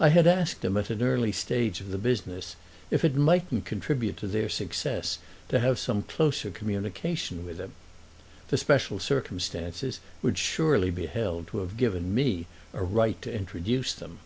I had asked them at an early stage of the business if it mightn't contribute to their success to have some closer communication with him. The special circumstances would surely be held to have given me a right to introduce them.